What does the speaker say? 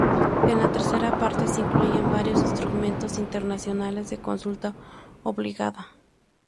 En la tercera parte se incluyen varios instrumentos internacionales de consulta obligada.